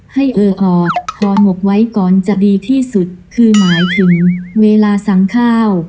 เออออดคอหมกไว้ก่อนจะดีที่สุดคือหมายถึงเวลาสั่งข้าว